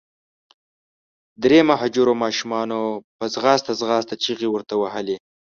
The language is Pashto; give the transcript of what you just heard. درې مهاجرو ماشومانو په منډه منډه چیغي ورته وهلې.